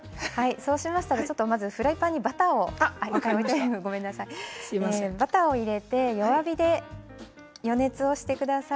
そうしたらフライパンにバターを入れて弱火で予熱をしてください。